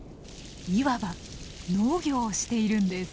いわば農業をしているんです。